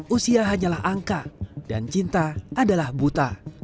usia hanyalah angka dan cinta adalah buta